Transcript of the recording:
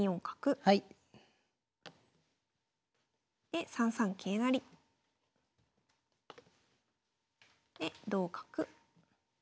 で３三桂成。で同角。